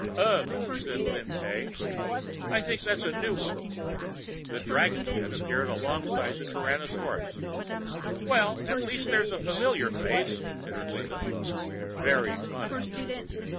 "Ugh!" said Lin Pey. "I think that's a new one." The dragon's head appeared alongside the Tyrannosaur's. "Well, at least there's a familiar face," tittered Linda. "Very funny."